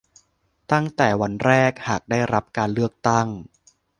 ตั้งแต่วันแรกหากได้รับการเลือกตั้ง